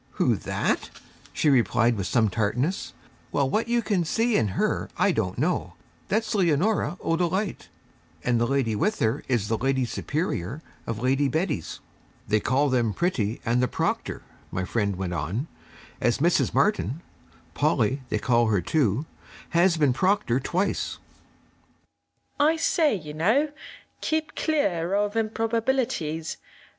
'Who, that?' she replied with some tartness. 'Well, what you can see in her, I don't know. That's Leonora O'Dolite, and the lady with her is the Lady Superior of Lady Betty's. 'They call them Pretty and the Proctor,' my friend went on, 'as Mrs. Martin Polly they call her too has been Proctor twice.' I say, you know, keep clear of improbabilities!